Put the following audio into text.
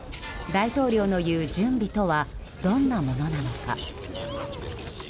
大統領の言う準備とはどんなものなのか。